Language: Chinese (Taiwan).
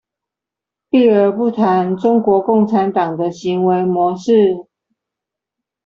避而不談中國共產黨的行為模式